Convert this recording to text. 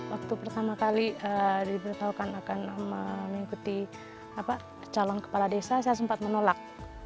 waktu pertama kali diberitahukan akan mengikuti calon kepala desa saya sempat menolak